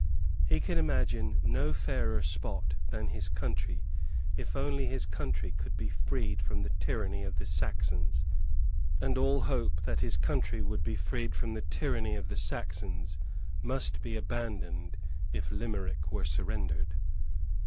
He could imagine no fairer spot than his country, if only his country could be freed from the tyranny of the Saxons; and all hope that his country would be freed from the tyranny of the Saxons must be abandoned if Limerick were surrendered.